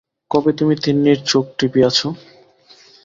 কবে তুমি তিন্নির চোখ টিপিয়াছ।